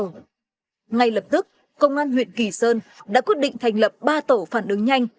ngay lập tức công an huyện kỳ sơn đã quyết định thành lập ba tổ phản ứng nhanh